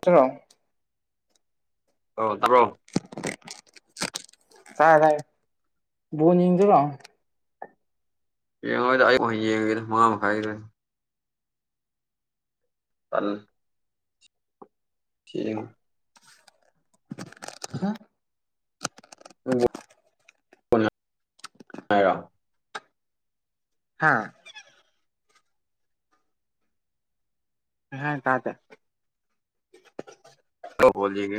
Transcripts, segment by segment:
ꯇꯣ [unintelligible] [inaudible] ꯑ ꯇꯥꯕ꯭ꯔꯣ ꯇꯥꯏ ꯇꯥꯏ ꯕꯣꯜ ꯌꯦꯡꯗꯣꯏꯕ ꯌꯦꯡꯉꯣꯏꯗ ꯍꯌꯦꯡ ꯑꯣꯏꯅ ꯌꯦꯡꯉꯒꯦꯗ ꯃꯉꯥ ꯃꯈꯥꯏꯒꯤꯗꯣ ꯑꯣꯅ ꯇꯜ ꯀ [inaudible] ꯍꯥ [unintelligible] [inaudible] ꯔ [unintelligible] [inaudible] ꯍꯥꯥ ꯍꯦ ꯇ ꯇ [unintelligible] [inaudible]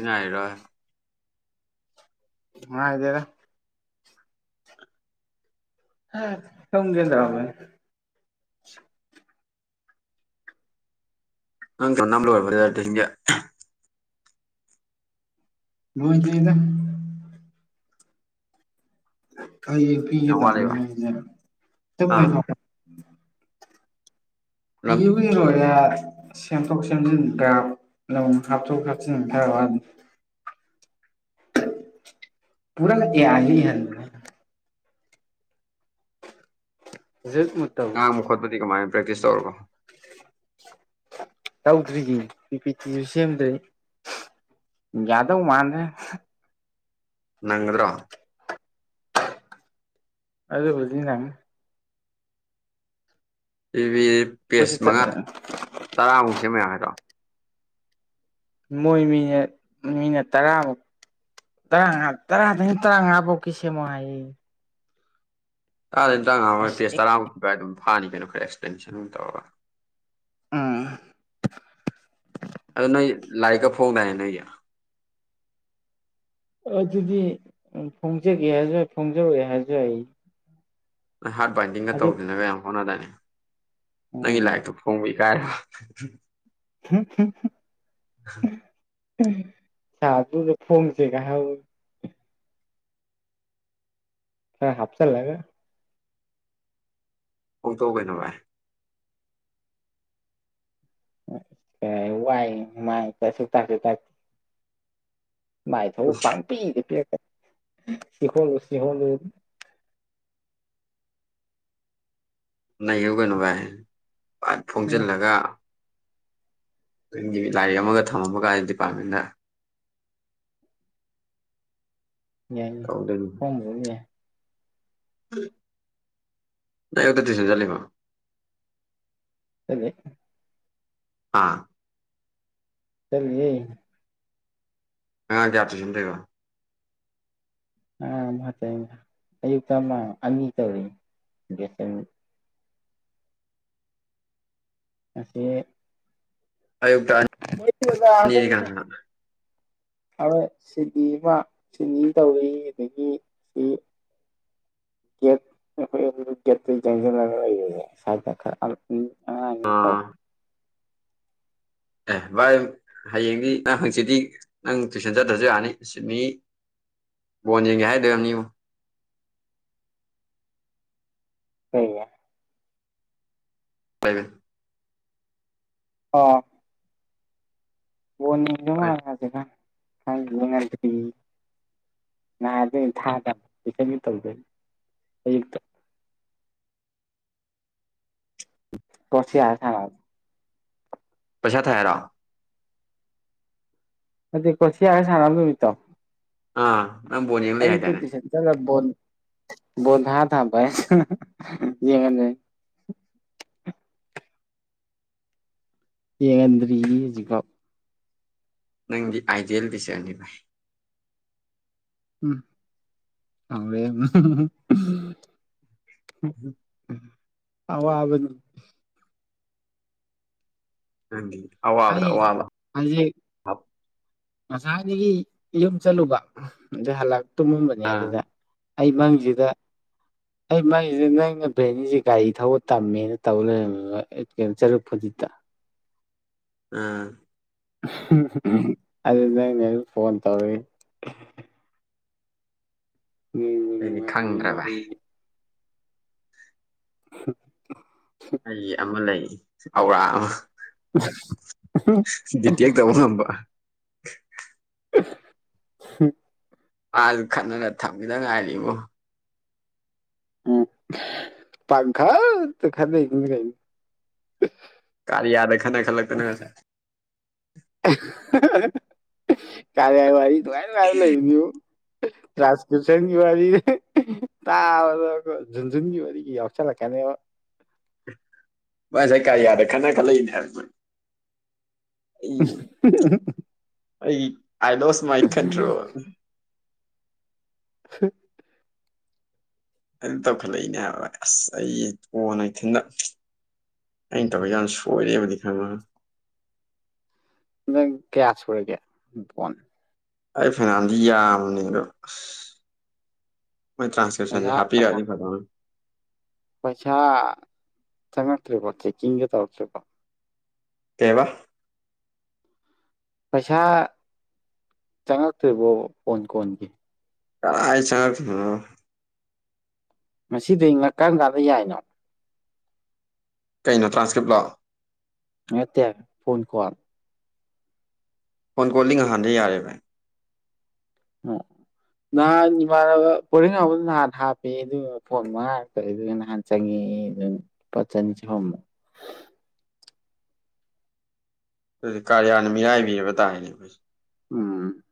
ꯀꯅ ꯍꯥꯏꯔ [unintelligible] [inaudible] ꯑ ꯍꯥꯏꯗꯦꯗ ꯪꯒꯦꯗꯕ ꯑꯪ ꯇꯧꯅꯝꯕ ꯑꯣꯏꯕꯔꯗꯇꯒ ꯂꯣꯏꯣꯏ ꯆꯣꯏꯗ [unintelligible] [inaudible] ꯀꯌꯦꯡ ꯄꯤꯒꯦ ꯌꯥꯝ ꯋꯥꯠꯂꯤꯕ ꯇꯧꯕꯅꯦꯖ ꯑ ꯇꯨꯝꯃꯦ ꯅꯪ ꯏꯕꯨ ꯏꯔꯣ ꯌꯥ [unintelligible] [inaudible] ꯁꯦꯝꯊꯣꯛ ꯁꯦꯝꯖꯤꯟꯒ ꯅ ꯍꯥꯞꯊꯣꯛ ꯍꯥꯞꯆꯤꯟꯟ ꯈꯔ ꯋꯥꯅꯤ ꯄꯔ ꯌꯥꯏꯌꯦ ꯍꯜ [unintelligible] [inaudible] ꯖꯨꯠ ꯃꯨꯠ ꯇꯧꯅꯨ ꯉꯥꯡꯕ ꯈꯣꯠꯄꯗꯤ ꯀꯃꯥꯏꯅ ꯄ꯭ꯔꯦꯛꯇꯤꯁ ꯇꯧꯔꯕꯣ ꯇꯧꯗ꯭ꯔꯤꯒꯤ ꯄꯤ ꯄꯤ ꯇꯤꯁꯨ ꯁꯦꯝꯗ꯭ꯔꯦ ꯌꯥꯗꯧ ꯃꯥꯥꯟꯗꯦ ꯅꯪꯒꯗ꯭ꯔꯣ ꯑꯗꯨꯕꯧꯗꯤ ꯅꯪꯅꯤ ꯏꯚ ꯑꯩꯈꯣꯏꯁꯨ ꯄꯦꯁ ꯃꯉꯥ ꯆꯠꯂꯦ ꯇꯔꯥꯃꯨꯛ ꯁꯦꯝꯃꯒ ꯌꯥꯒꯗꯔꯣ ꯃꯣꯏ ꯃꯤꯅꯠ ꯃꯤꯅꯠ ꯇꯔꯥꯃꯨꯛ ꯇꯔꯉꯥ ꯇꯔꯗꯒꯤꯅ ꯇꯔꯉꯥꯕꯧꯀꯤ ꯁꯦꯝꯃꯣ ꯍꯥꯏ ꯇꯥꯗꯝ ꯇꯪ ꯉꯣꯏ ꯄꯦꯖ ꯑꯩ ꯇꯔꯥꯃꯨꯛꯀꯤ ꯑꯗꯨꯥꯏ ꯑꯗꯨꯝ ꯐꯥꯅꯤ ꯀꯩꯅꯣ ꯈꯔ ꯑꯦꯛꯁꯄ꯭ꯂꯦꯟꯁꯟ ꯇꯧꯔꯒ ꯎꯝ ꯑꯗꯨ ꯅꯣꯏ ꯂꯥꯏꯔꯤꯛꯀ ꯐꯣꯡꯗꯥꯏꯅ‌ꯦ ꯅꯣꯏꯒꯤ ꯑꯗꯨꯗꯤ ꯎꯝ ꯐꯣꯡꯖꯒꯦ ꯍꯥꯏꯁꯨ ꯐꯣꯡꯖꯔ‌‌ꯣꯏ ꯍꯥꯏꯖꯨ ꯌꯥꯏ ꯅꯪ ꯍꯥꯔꯠ ꯕꯥꯏꯟꯗꯤꯡꯒ ꯑꯗꯨ ꯇꯧꯗꯅꯒ ꯌꯥꯝ ꯍꯣꯠꯅꯗꯥꯏꯅꯤ ꯅꯪꯒꯤ ꯎꯝ ꯂꯥꯏꯔꯤꯛꯇꯨ ꯐꯣꯡꯕꯩ [unintelligible] ꯍꯝ ꯍꯝ ꯍꯝ ꯎꯝ ꯁꯥꯔ ꯗꯨꯗ ꯐꯣꯡꯁꯦ ꯀ ꯍꯥꯏ [inaudible] ꯈꯔ ꯍꯥꯞꯆꯜꯂꯒ ꯐ‌ꯣꯡꯗ‌ꯣꯛꯑꯣ ꯀꯩꯅꯣ ꯚꯥꯏ ꯑꯝ ꯋꯥꯏ ꯃꯥ ꯇꯥꯛꯁꯨ ꯇꯥꯛꯇ‌ꯦ ꯃꯥꯏꯊꯧ ꯄꯥꯡꯄꯤꯗ ꯄꯤꯔꯛꯀꯅꯤ ꯁꯤꯈ [unintelligible] ꯁꯤꯍꯣꯗꯨ ꯅꯩꯌꯨ ꯀꯩꯅꯣ ꯚꯥꯏ ꯐꯟ ꯎꯝ ꯐꯣꯡꯖꯤꯜꯂꯒ ꯅꯪꯒꯤ ꯂꯥꯏꯔꯤꯛ ꯑꯃꯒ ꯊꯝꯃꯝꯕꯒꯥꯏ ꯗꯤꯄꯥꯔꯠꯃꯦꯟꯇ ꯌꯥꯏꯅ‌ꯩ ꯐ‌ꯣꯡꯗ‌ꯣꯅ‌ꯦ ꯑꯣ ꯀꯥꯗꯥꯏꯗ ꯇꯨꯏꯁꯟ ꯆꯠꯂꯦꯕ‌ꯣ [inaudible] ꯗꯦ ꯑꯥ ꯆꯠꯂꯤꯌ‌ꯦ ꯑꯉꯥꯡ ꯀꯌꯥ ꯇꯨꯏꯁꯟ ꯇꯧꯔꯤꯕꯣ ꯑ [inaudible] ꯑꯌꯨꯛꯇ ꯑꯃ ꯑꯅꯤ ꯇꯧꯔꯤ ꯕ‌ꯦꯁ ꯑꯅꯤ ꯉꯁ‌ꯦ ꯑꯌꯨꯛꯇ ꯅꯠꯇ‌ꯦꯗ ꯑꯅꯤꯗꯤ ꯀꯅꯥ ꯑꯗꯨꯝꯅ‌ꯦ ꯀꯅꯥ ꯍ‌ꯣꯏ ꯁꯤꯅꯤ ꯑꯃ ꯁꯤꯅꯤ ꯇꯧꯕꯒꯤ ꯑꯗꯒꯤ ꯁꯤ ꯒ‌ꯦꯠ ꯑꯩꯈꯣꯏ [unintelligible] ꯒ‌ꯦꯠꯗꯨꯗ ꯆꯪꯁꯤꯜꯂꯒ ꯂꯩꯕꯅ‌ꯦ [inaudible] ꯑꯉꯥꯡꯁꯤꯡ ꯇꯧ ꯑꯥ ꯑꯦ ꯚꯥꯏ ꯍꯌꯦꯡꯗꯤ ꯅꯪ ꯍꯪꯆꯤꯠꯗꯤ ꯅꯪ ꯇꯨꯏꯁꯟ ꯆꯠꯇ꯭ꯔꯁꯨ ꯌꯥꯔꯅꯤ ꯑꯁ ꯃꯤ ꯕ‌ꯣꯜ ꯌ‌ꯦꯡꯒꯦ ꯍꯥꯏꯗ‌ꯣꯏ ꯑꯣꯏꯔꯝꯅꯤꯉ‌ꯣ ꯀꯩꯕꯥ ꯀꯩ ꯑꯥ ꯕ‌ꯣꯜꯗꯤ ꯍꯣꯏ ꯏꯕꯨꯡꯉ‌ꯣ ꯄꯩꯁꯥ ꯈꯥꯏꯈꯤꯕꯗ [inaudible] ꯅꯍꯟꯗꯨ ꯊꯥꯗꯕ ꯇꯨꯏꯁꯟ [inaudible] ꯇꯧꯕꯩ ꯍꯧꯖꯤꯛꯇ ꯀꯔ‌ꯣꯁꯤꯌꯥ ꯁꯥꯟꯅꯕꯅ ꯄꯩꯁꯥ ꯊꯥꯏꯔ‌ꯣ ꯑꯗꯨ ꯀꯔ‌ꯣꯁꯤꯌꯥ ꯁꯥꯟꯅꯕ ꯅꯨꯃꯤꯠꯇꯣ ꯑꯥ ꯅꯪ ꯕꯣꯟ ꯌꯦꯡ ꯂꯩ ꯑꯌꯨꯛꯇꯨ ꯍꯥꯏꯗꯥꯏꯅꯦ ꯇꯨꯏꯁꯟ ꯆꯠꯂ ꯗ‌ꯣ ꯕ‌ꯣꯜ ꯉꯍꯥꯛ ꯊꯥꯕ [unintelligible] ꯌꯦꯡꯉꯜꯂ‌ꯦ [unintelligible] ꯌꯦꯍꯟꯕꯤꯔꯤꯔꯤ ꯍꯧꯖꯤꯛꯐꯥꯎ ꯅꯪꯗꯤ ꯑꯥꯏꯗꯦꯜ ꯕꯤꯆꯔꯅꯤ ꯚꯥꯏ ꯎꯝ ꯍꯧꯔ‌ꯦꯟ [unintelligible] ꯎꯝ ꯍꯝ ꯑꯋꯥꯕꯅꯤ ꯃꯔꯝꯗꯤ ꯑꯋꯥꯕꯗ ꯑꯩ ꯑꯋꯥꯕ ꯍꯧꯖꯤꯛ ꯍꯥꯞ ꯉꯁꯥꯏꯗꯒꯤ ꯌꯨꯝ ꯆꯠꯂꯨꯕ ꯎꯝ ꯑꯗꯨꯏ ꯍꯜꯂꯛꯄ ꯇꯨꯝꯃꯕꯅꯦ ꯑꯗꯨꯗ ꯑꯩ ꯃꯪꯁꯤꯗ ꯑꯩ ꯃꯩꯁꯦ [inaudible] ꯕꯦꯅꯤꯁꯦ ꯒꯥꯔꯤ ꯊꯧꯕ ꯇꯝꯃꯦꯅ ꯇꯧ ꯂꯩꯔꯝꯃꯦꯕ ꯑꯥ ꯀꯩꯅꯣ ꯆꯔꯨꯛ ꯐꯨꯔꯤꯛꯇ ꯑꯥ ꯍꯝ ꯑꯗꯨ ꯅꯪꯅ ꯃꯨꯛ ꯐꯣꯟ ꯇꯧꯔꯛꯑꯦ ꯑꯩꯗꯤ ꯈꯪꯗ꯭ꯔꯕ [inaudible] ꯑꯧꯔ ꯗꯤꯇꯦꯛ ꯇꯧꯕ ꯉꯝꯕ [unintelligible] ꯍ ꯑꯜ ꯈꯅꯅ ꯊꯝꯃꯤꯗ ꯉꯥꯏꯔꯤꯕꯔꯤꯕꯣ ꯎꯝ ꯄꯪꯈꯠꯇ ꯈꯥꯟꯅ ꯂꯩ ꯀꯅ ꯀꯥꯔꯤ ꯌꯥꯗ ꯈꯠꯅ ꯈꯜꯂꯛꯇꯅ ꯉꯥꯁꯥꯏ ꯀꯔꯌꯥ ꯋꯥꯔꯤ ꯅꯨꯡꯉꯥꯏ ꯅꯨꯪꯉꯥꯏꯕ ꯂꯩꯕꯅꯤꯕꯣ ꯇꯥꯁ ꯀꯁꯟꯒꯤ ꯋꯥꯔꯤ ꯇꯥ ꯖꯨꯟꯖꯨꯟꯒꯤ ꯋꯥꯔꯤꯒꯤ ꯌꯥꯎꯁꯜꯂꯛꯀꯥꯟꯅꯤ ꯑ ꯉꯥꯁꯥꯢ ꯀꯔꯌꯥꯗ ꯈꯠꯅ ꯈꯠꯜꯛ ꯏꯅꯦꯃꯤ [inaudible] ꯑꯩ ꯑꯥꯏ ꯂꯣꯁ ꯃꯥꯏ ꯀꯟꯇꯔꯣꯜ ꯍ ꯑꯗꯨ ꯇꯧꯈꯠꯂꯛꯏꯅꯦ ꯍꯥꯏꯕ ꯑꯁ ꯑꯩ ꯀꯣꯟꯅꯥ ꯊꯤꯟꯗ ꯑꯩꯅ ꯇꯧꯕ ꯌꯥꯝ ꯁꯣꯏꯔꯦꯕꯗꯤ ꯈꯪꯃ ꯀꯦꯌꯥ ꯁꯨꯔꯒꯦ ꯐꯣꯟ ꯑꯩ ꯐꯅꯥꯝꯗꯤ ꯌꯥꯝꯅꯤꯡꯕ ꯑꯁ ꯃꯣꯏ ꯇ꯭ꯔꯥꯟꯁꯀꯦꯞꯁꯟꯁꯦ ꯄꯩꯁꯥ ꯄꯩꯁꯥ ꯍꯞꯞꯄꯤꯔꯒꯗꯤ ꯐꯖꯅꯅꯦ [unintelligible] ꯀꯩꯕꯥ ꯄꯩꯁꯥ ꯆꯪꯉꯛꯇꯔꯤꯕꯣ ꯐꯣꯟ ꯀꯣꯟꯒꯤ ꯀꯥꯏ ꯆꯪꯉꯛꯇꯣꯏꯅꯣꯗ ꯃꯁꯤꯗꯤ ꯉꯛꯀꯥꯟ ꯀꯥꯟꯗ ꯌꯥꯏꯅꯣ ꯀꯩꯅꯣ ꯇ꯭ꯔꯥꯟꯁꯀ꯭ꯔꯤꯞꯂꯣ ꯅꯠꯇꯦ ꯐꯣꯟ ꯀꯣꯂ ꯐꯣꯟ ꯀꯣꯜꯗꯤ ꯉꯍꯥꯟꯗ ꯌꯥꯔꯦꯕ ꯑ ꯅꯍꯥꯟ ꯏꯃꯥꯟꯅꯕ ꯄꯣꯔꯦꯟ ꯍꯥꯎꯕꯗ ꯅꯍꯥꯟ ꯍꯥꯞꯄ ꯑꯗꯨꯒꯤ ꯐꯣꯟ ꯃꯉꯥ ꯉꯛꯇ ꯑꯩ ꯑꯗꯨ ꯅꯍꯥꯟ ꯆꯪꯉ [unintelligible] [inaudible] ꯑꯗꯨꯗꯤ ꯀꯥꯔꯤꯌꯥꯅ ꯃꯤꯔꯥꯏꯕꯤꯔꯕ ꯇꯥꯔꯅꯦ ꯑꯩꯈꯣꯏꯁꯦ ꯎꯝ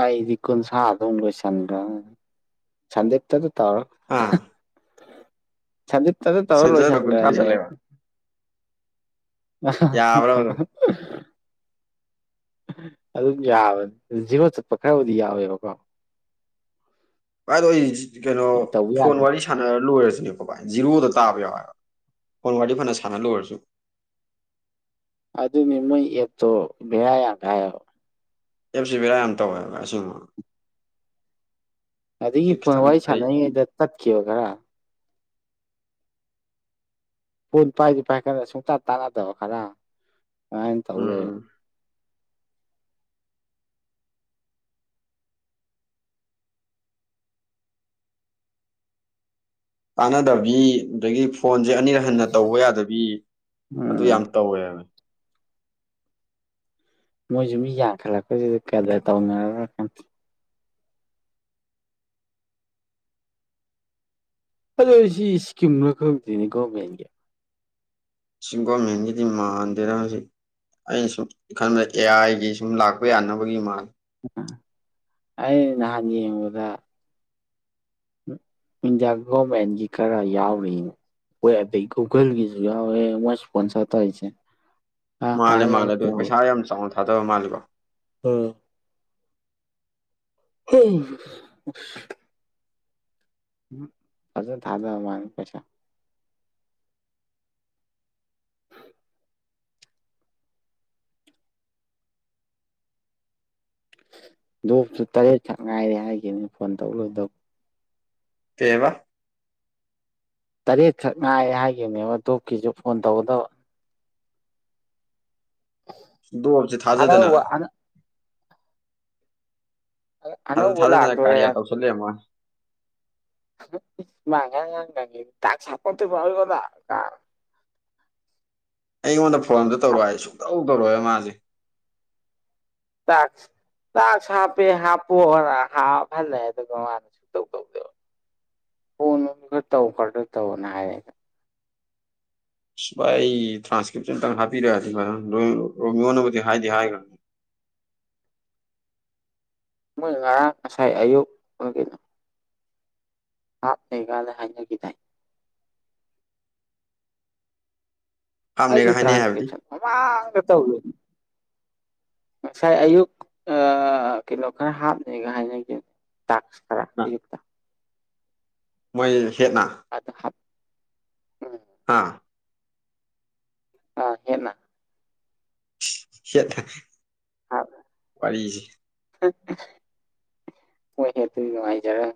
ꯑ ꯏꯀꯣꯟꯟ ꯁꯗꯒꯣꯏ ꯆꯟꯒ ꯆꯗꯦꯛ ꯇ [unintelligible] ꯇꯥꯔꯣ ꯑꯥ ꯁꯟꯖꯤꯠ ꯇꯥꯗꯥ ꯇꯧꯔꯒꯥ ꯁꯤꯗ ꯂꯣꯏꯁꯤꯟ ꯀꯨꯟꯊ꯭ꯔꯥ ꯈꯔ꯭ꯕꯅꯦꯕꯥ ꯆꯠꯂꯦꯕ ꯌꯥꯕ꯭ꯔꯕ ꯑꯗꯨꯝ [inaudible] [inaudible] ꯑꯗꯨꯝ ꯌꯥꯕꯅꯤ ꯑꯗꯨ ꯖꯤꯔꯣ ꯆꯠꯄ ꯈꯔꯕꯨꯗꯤ ꯌꯥꯎꯋꯦꯕꯀꯣ ꯍꯥꯏꯗꯣ ꯑꯩ ꯀꯩꯅꯣ ꯇꯧꯕ ꯐꯣꯟ ꯌꯥꯗ ꯋꯥꯔꯤ ꯁꯥꯟꯅꯔ ꯂꯣꯏꯔꯁꯤꯦ ꯣ ꯚꯥꯏ ꯖꯤꯔꯣꯗ ꯇꯥꯕ ꯌꯥꯎꯋꯦꯕ ꯐꯣꯟ ꯋꯥꯔꯗꯤ ꯐꯅ ꯁꯥꯟꯅ ꯂꯣꯏꯔꯁꯨ ꯑꯗꯨꯗꯅꯤ ꯃꯣꯏ ꯑ ꯕꯦꯔꯥ ꯌꯥꯝ ꯀꯥꯌꯦꯕ ꯑꯦꯐ ꯁꯤ ꯕꯤꯔꯥ ꯌꯥꯝ ꯇꯧꯋꯦꯕ ꯑꯁꯦꯡꯕ ꯑꯗꯨꯒꯤ ꯁꯤ ꯐꯣꯟ ꯈꯤꯇꯪ ꯋꯥꯔꯤ ꯑꯩ ꯁꯥꯟꯅꯔꯤꯉꯩꯗ ꯇꯠꯈꯤꯕꯕ ꯈꯔ ꯐꯣꯟ ꯄꯥꯏꯗꯤ ꯄꯥꯏꯈꯠꯂꯒ ꯁꯨꯡꯇꯥ ꯇꯥꯅꯗꯕ ꯈꯔ ꯑꯗꯨꯃꯥꯏꯅ ꯇꯧ ꯎꯝ ꯂꯩꯔꯦ ꯇꯥꯟꯅꯗꯕꯤ ꯑꯗꯒꯤ ꯐꯣꯟ ꯍꯧꯖꯤꯛ ꯑꯅꯤꯔꯛ ꯍꯟꯅ ꯇꯧꯕ ꯌꯥꯗꯕꯤ ꯑꯗꯨ ꯌꯥꯝ ꯎꯝ ꯇꯧꯋꯦꯕ ꯃꯣꯏꯁꯨ ꯃꯤ ꯌꯥꯝꯈꯠꯂꯛꯄꯁꯤꯗ ꯀꯗꯔ ꯇꯧꯅꯔꯕ ꯈꯪꯗꯦ ꯑꯗꯣ ꯁꯤ ꯏꯁꯀꯤꯝꯂ ꯈꯪꯗꯦꯅꯦ ꯒꯣꯔꯃꯦꯟꯒꯤ ꯁꯤ ꯒꯕꯔꯃꯦꯟꯒꯤꯗꯤ ꯃꯥꯟꯗꯦꯗ ꯃꯁꯤ ꯑꯩꯅ ꯁꯨꯝ ꯈꯟꯕꯗ ꯑꯦ ꯑꯥꯏꯒꯤ ꯁꯨꯝ ꯂꯥꯛꯄ ꯌꯥꯅꯕꯒꯤ ꯃꯥꯜꯂꯦ ꯑꯩ ꯅꯍꯥꯟ ꯌꯦꯡꯕꯗ ꯎꯝ ꯏꯟꯗꯤꯌꯥ ꯒꯣꯕꯔꯃꯦꯟꯒꯤ ꯈꯔ ꯌꯥꯎꯔꯤ ꯍꯣꯏ ꯑꯗꯒꯤ ꯒꯨꯒꯜꯒꯤꯁꯨ ꯌꯥꯎꯋꯦ ꯃꯣꯏ ꯏꯁꯄꯣꯟꯁꯔ ꯇꯧꯔꯤꯁꯦ ꯑꯥ ꯃꯥꯜꯂꯦ ꯃꯥꯜꯂꯦ ꯑꯗꯨ ꯄꯩꯁꯥ ꯌꯥꯝ ꯆꯥꯎꯅ ꯊꯥꯗꯕ ꯃꯥꯜꯂꯤꯀꯣ ꯎꯝ ꯎꯝ ꯑꯁ ꯎꯝ ꯐꯖꯅ ꯊꯥꯗ ꯃꯥꯜꯂꯦ ꯄꯩꯁꯥ ꯗꯣꯛꯁꯨ ꯇꯔꯦꯠ ꯁꯛ ꯉꯥꯏꯔꯦ ꯍꯥꯏꯈꯤꯕꯅꯦ ꯐꯣꯟ ꯇꯧ ꯂꯣꯏꯗꯧꯕ ꯀꯩꯕ ꯇꯔꯦꯠꯈꯛ ꯉꯥꯏꯔꯦ ꯍꯥꯏꯈꯤꯕꯅꯦꯕ ꯗꯣꯛꯀꯤꯁꯨ ꯐꯣꯟ ꯇꯧꯒꯗꯕ ꯗꯣꯛꯁꯤ ꯊꯥꯖꯗꯅ ꯑꯅꯧꯕ ꯃꯥꯁꯨ ꯑꯅꯧꯕ ꯊꯥꯖꯗꯅ ꯂꯥꯛꯇꯣꯔꯦ ꯀꯥꯔꯌꯥ ꯇꯧꯁꯜꯂ ꯂꯩ ꯔꯝꯕꯩ ꯋꯥꯅꯤ ꯃꯥ ꯉꯔꯪ ꯉꯔꯪ ꯉꯪꯈꯤꯕꯅꯦ ꯇꯥꯛꯁ ꯍꯥꯞꯄꯛꯇꯔꯤꯕ ꯑꯗꯨ ꯑꯗꯥ ꯀꯥꯏꯅ ꯑꯩꯉꯣꯟꯗ ꯐꯣꯟꯗ ꯇꯧꯔꯛꯑꯣ ꯍꯥꯏꯕꯁꯦ ꯁꯨꯡꯇꯧ ꯇꯧꯔꯛꯑꯣꯢ ꯃꯥꯁꯦ ꯇꯥꯛꯁ ꯇꯥꯛꯁ ꯍꯥꯞꯄꯦ ꯍꯥꯞꯄꯣꯅ ꯍꯥꯞꯍꯜꯂꯩ ꯑꯗꯨꯒ ꯃꯥꯅ ꯁꯨꯡ ꯇꯧ ꯇꯧꯔꯛꯇꯕ ꯐꯣꯟ ꯅꯨꯡ ꯈꯔ ꯇꯧ ꯈꯣꯠꯂꯣ ꯍꯥꯢꯔꯦ ꯚꯥꯏ ꯑꯩ ꯇ꯭ꯔꯥꯟꯁꯀ꯭ꯔꯤꯞꯁꯟ ꯑꯝꯇꯪ ꯍꯥꯞꯄꯤꯔꯛꯑꯗꯤ ꯔꯣꯃꯤꯌꯣꯅꯕꯨꯗꯤ ꯍꯥꯏꯗꯤ ꯍꯥꯏꯈ꯭ꯔꯕꯅꯦ [inaudible] ꯃꯣꯏ ꯉꯔꯥꯡ ꯉꯁꯥꯏ ꯑꯌꯨꯛ ꯀꯒꯤꯅ ꯍꯥꯞꯅꯦꯒꯗꯤ ꯍꯥꯏꯅꯈꯤꯗꯥꯏ ꯍꯥꯞꯅꯦꯒ ꯑꯩꯗꯤ ꯍꯥꯏꯅꯩ ꯍꯥꯏꯕꯗꯤ ꯇ꯭ꯔꯥꯟꯁꯀꯔꯤꯞꯁꯟ ꯃꯃꯥꯡꯗ ꯇꯧꯒꯔꯃꯦ ꯉꯁꯥꯏ ꯑꯌꯨꯛ ꯑ ꯀꯩꯅꯣ ꯈꯔ ꯍꯥꯞꯅꯤꯒ ꯍꯥꯏꯅꯈꯤꯕꯅꯦ ꯇꯥꯛꯁ ꯈꯔ ꯅ- ꯑꯌꯨꯛꯇ ꯃꯣꯏ ꯍꯦꯠꯅ ꯑꯗ ꯍꯥꯞ ꯎꯝ ꯍꯥꯥ ꯑ ꯍꯦꯠꯅ ꯍꯦꯠ ꯋꯥꯔꯤꯁꯤ ꯃꯣꯏ ꯍꯦꯠꯇꯨꯗꯤ ꯅꯨꯡꯉꯥꯏꯖꯔ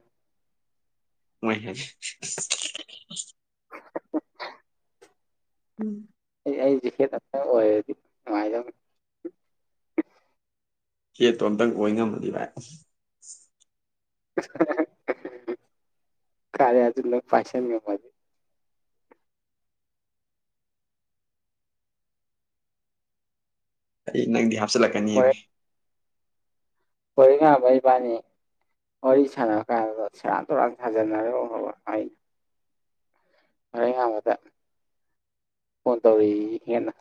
ꯃ [unintelligible] ꯎꯝ ꯑꯩꯁꯤ ꯍꯦꯠ ꯑꯝꯇꯪ ꯑꯣꯏꯔꯗꯤ ꯅꯨꯡꯉꯥꯏꯗꯣꯏꯅꯤ ꯍꯦꯠꯇꯣ ꯑꯝꯇꯪ ꯑꯣꯏ ꯉꯝꯃꯗꯤ ꯕꯥꯏ ꯀꯥꯔꯌꯥꯗꯣ ꯂꯣꯏꯅ ꯄꯥꯏꯁꯟ ꯉꯝꯃꯗꯤ ꯑꯩ ꯅꯪꯗꯤ ꯍꯥꯞꯆꯤꯜꯂꯛꯀꯅꯤ ꯕꯥꯏ ꯄꯣꯏꯔꯩꯉꯥꯟꯕ ꯏꯕꯥꯅꯤ ꯋꯥꯔꯤ ꯁꯥꯟꯅꯕꯀꯥꯟꯗ ꯁꯦꯔꯥꯟ ꯇꯨꯔꯥꯟ ꯁꯥꯖꯟꯅꯔꯒ ꯑꯩ ꯄꯣꯏꯔꯩꯉꯥꯟꯕꯗ ꯐꯣꯟ ꯇꯧꯔꯛꯑꯦꯌꯦ ꯍꯦꯠꯅ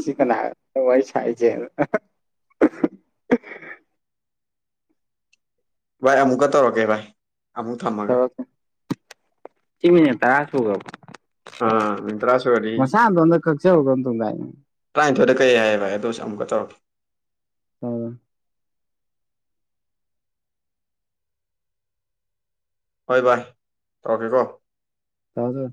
ꯁꯤ ꯀꯅꯥ ꯋꯥꯔꯤ ꯁꯥꯏꯖꯦꯅ ꯚꯥꯏ ꯑꯃꯨꯛꯀ ꯇꯧꯔꯛꯀꯦ ꯚꯥꯏ ꯑꯃꯨꯛ ꯊꯝꯃꯒ ꯇꯧꯔꯛꯑꯣ ꯁꯤ ꯃꯤꯅꯠ ꯇꯔꯥ ꯁꯨꯈꯔꯕꯣ ꯑꯣ ꯑꯥ ꯃꯤꯅꯤꯠ ꯇꯔꯥ ꯁꯨꯔꯗꯤ ꯃꯁꯥ ꯃꯇꯣꯟꯗ ꯀꯛꯆꯕꯔ ꯀꯩꯅꯣꯝ ꯇꯧꯗꯥꯏꯅꯦ ꯇꯔꯥꯅꯤꯊꯣꯏꯗ ꯀꯛꯑꯦ ꯍꯥꯏ ꯚꯥꯏ ꯑꯗꯣꯏꯁꯨ ꯑꯃꯨꯛꯀ ꯇꯧꯔꯛꯀꯦ ꯑ ꯍꯣꯏ ꯚꯥꯏ ꯇꯧꯔꯀꯦꯀꯣ ꯇꯥꯎꯖꯣ